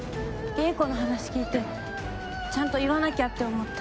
英子の話聞いてちゃんと言わなきゃって思った。